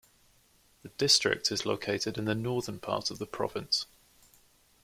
The district is located in the northern part of the province.